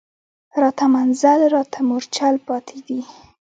راته منزل راته مورچل پاتي دی